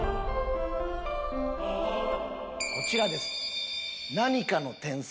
こちらです。